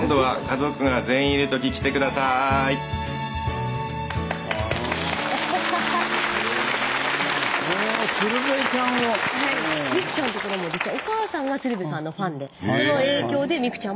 美来ちゃんのところも実はお母さんが鶴瓶さんのファンでその影響で美来ちゃんもそうなったんですね。